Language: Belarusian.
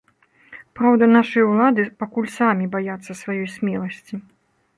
Праўда, нашыя ўлады пакуль самі баяцца сваёй смеласці.